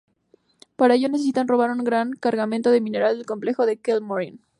Para ello, necesitan robar un gran cargamento de mineral del complejo de Kel-Morian.